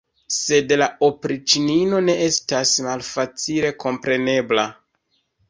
Sed la opriĉnino ne estas malfacile komprenebla.